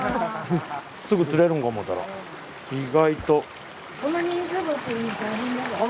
すぐ釣れるんかと思ったら意外と。